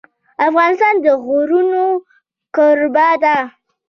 افغانستان د غرونه کوربه دی.